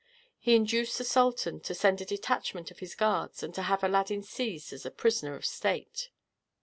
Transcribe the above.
He induced the sultan to send a detachment of his guards and to have Aladdin seized as a prisoner of state.